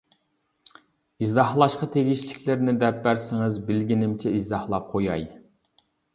ئىزاھلاشقا تېگىشلىكلىرىنى دەپ بەرسىڭىز بىلگىنىمچە ئىزاھلاپ قوياي.